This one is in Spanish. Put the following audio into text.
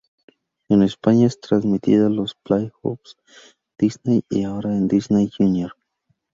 En España, es transmitida por Playhouse Disney y ahora en Disney Junior.